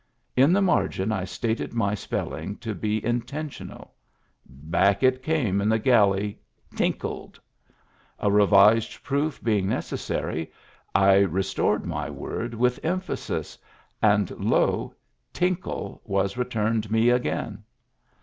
In the margin I stated my spelling to be intentional. Back it came in the galley, tinkled. A revised proof being necessary, I restored my word with emphasis — and lo, tinkle was returned me again.